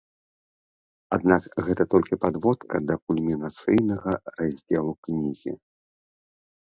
Аднак гэта толькі падводка да кульмінацыйнага раздзелу кнігі.